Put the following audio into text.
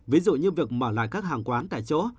ví dụ như việc mở lại các hàng quán tại chỗ